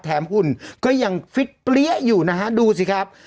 แถมอุ่นก็ยังปเลี้ยอยู่นะฮะดูสิครับ